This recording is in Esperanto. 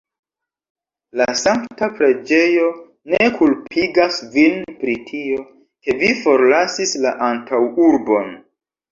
La sankta preĝejo ne kulpigas vin pri tio, ke vi forlasis la antaŭurbon.